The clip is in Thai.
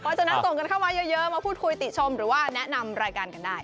เพราะฉะนั้นส่งกันเข้ามาเยอะมาพูดคุยติชมหรือว่าแนะนำรายการกันได้